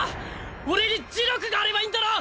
俺に呪力があればいいんだろ？